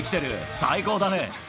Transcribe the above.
最高だね。